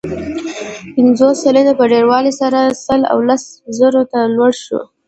پنځوس سلنې په ډېروالي سره سل او لس زرو ته لوړ شو.